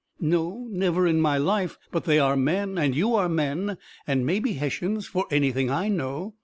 "No, never in my life; but they are men, and you are men, and may be Hessians, for anything I know.